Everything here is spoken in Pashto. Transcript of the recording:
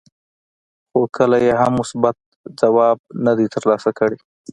خو کله یې هم مثبت ځواب نه دی ترلاسه کړی.